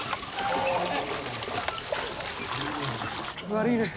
悪いね。